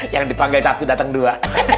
yang dipanggil satu datang dua